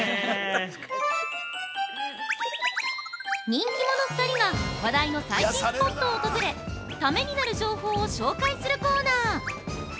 人気者２人が話題の最新スポットを訪れタメになる情報を紹介するコーナー！